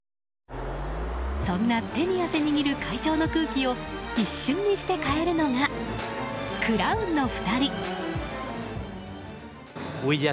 そんな手に汗握る会場の空気を一瞬にして変えるのがクラウンの２人。